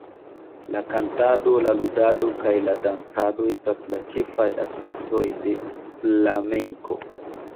La kantado, la ludado kaj la dancado estas la ĉefaj aspektoj de flamenko.